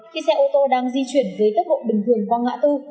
khi xe ô tô đang di chuyển với tốc độ bình thường qua ngã tư